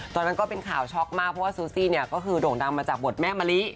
ตอนนั้นก็เป็นข่าวช็อกมากเพราะว่าซูซี่เนี่ยก็คือโด่งดังมาจากบทแม่มะลิ